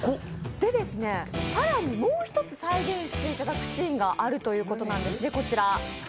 更にもう一つ、再現していただくシーンがあるということです。